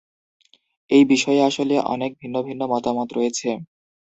এই বিষয়ে আসলে অনেক ভিন্ন ভিন্ন মতামত রয়েছে।